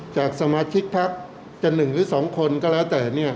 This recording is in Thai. จากสมาชิกภาคจะหนึ่งหรือสองคนก็แล้วแต่